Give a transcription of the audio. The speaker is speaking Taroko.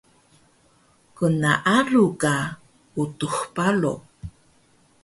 Gnaalu ka Utux Baro